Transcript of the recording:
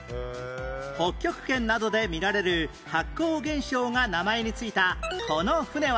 北極圏などで見られる発光現象が名前に付いたこの船は？